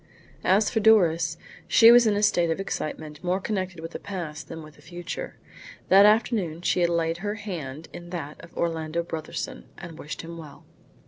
As for Doris, she was in a state of excitement more connected with the past than with the future. That afternoon she had laid her hand in that of Orlando Brotherson, and wished him well.